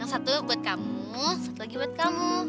yang satu buat kamu satu lagi buat kamu